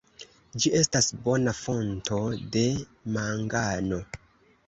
Ĝi estas bona fonto de mangano.